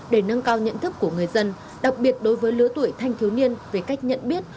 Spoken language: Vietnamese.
để nâng cao nhận thức của người dân đặc biệt đối với lứa tuổi thanh thiếu niên về cách nhận biết